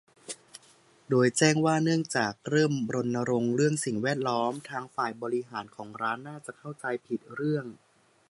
โดยแจ้งว่าเนื่องจาก "เริ่มรณรงค์เรื่องสิ่งแวดล้อม" ทางฝ่ายบริหารของร้านน่าจะเข้าใจผิดเรื่อง